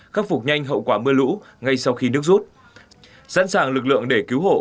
khắc phục nhanh hậu quả mưa lũ ngay sau khi nước rút sẵn sàng lực lượng để cứu hộ